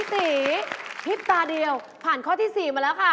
ตีชิบตาเดียวผ่านข้อที่๔มาแล้วค่ะ